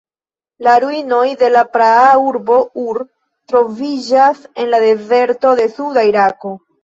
La ruinoj de la praa urbo Ur troviĝas en la dezerto de suda Irako.